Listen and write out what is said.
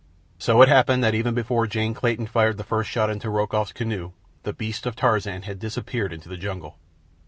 So it happened that even before Jane Clayton fired the first shot into Rokoff's canoe the beasts of Tarzan had disappeared into the jungle.